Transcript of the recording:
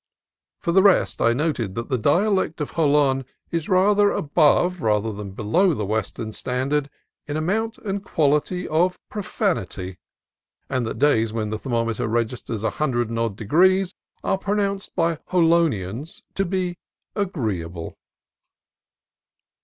For the rest, I noted that the dialect of Jolon is rather above than below the West ern standard in amount and quality of profanity; and that days when the thermometer registers a hun dred and odd degrees are pronounced by Jolonians to be agreeable.